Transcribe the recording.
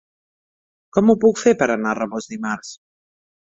Com ho puc fer per anar a Rabós dimarts?